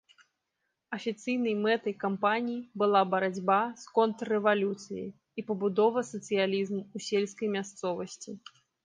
Афіцыйнай мэтай кампаніі была барацьба з контррэвалюцыяй і пабудова сацыялізму ў сельскай мясцовасці.